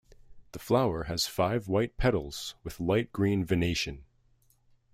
The flower has five white petals with light green venation.